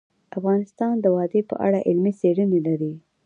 افغانستان د وادي په اړه علمي څېړنې لري.